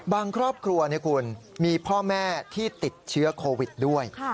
ครอบครัวคุณมีพ่อแม่ที่ติดเชื้อโควิดด้วย